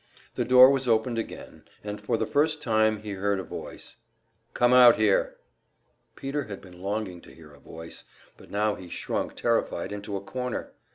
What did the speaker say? The door was opened again, and for the first time he heard a voice, "Come out here." Peter had been longing to hear a voice; but now he shrunk terrified into a corner.